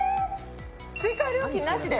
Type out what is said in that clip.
追加料金なしで？